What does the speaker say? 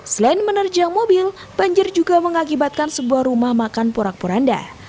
selain menerjang mobil banjir juga mengakibatkan sebuah rumah makan porak poranda